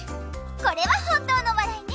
これは本当の笑いね！